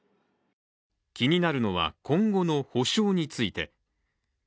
気になるのは、今後の補償について。